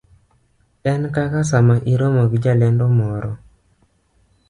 en kaka sama iromo gi jalendo moro